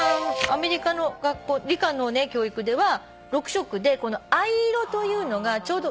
アメリカの理科の教育では６色でこの藍色というのがちょうど。